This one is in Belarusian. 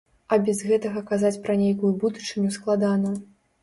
А без гэтага казаць пра нейкую будучыню складана.